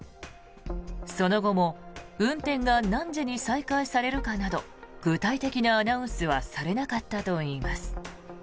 その後も運転が何時に再開されるかなど具体的なアナウンスはされなかったといいます。